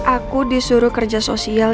aku disuruh kerja sosial